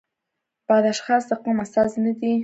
بد اشخاص د قوم استازي نه دي.